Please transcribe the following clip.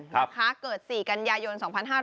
หาเกิดศรีกัญญาโยน๒๕๑๙